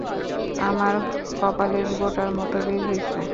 আমার কপালে গোটার মত বের হইসে।